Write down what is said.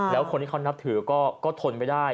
แล้วคนที่เขานับถือก็ทนไม่ได้